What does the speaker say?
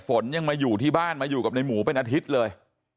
ฝนยังมาอยู่ที่บ้านมาอยู่กับในหมูเป็นอาทิตย์เลย